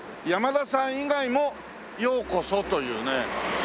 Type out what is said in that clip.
「山田さん以外もようこそ。」というね。